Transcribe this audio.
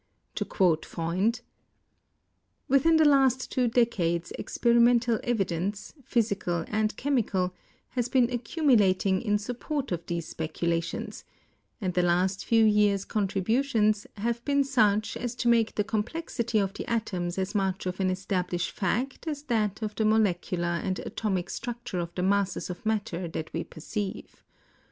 To quote Freund: "Within the last two decades experimental evidence, physical and chemical, has been accumulating in support of these speculations, and the last few years' contributions have been such as to make the complexity of the atoms as much of an established fact as that of the molecular and atomic structure of the masses of matter that we per ceive.